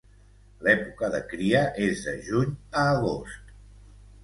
L'època de cria és de juny a agost.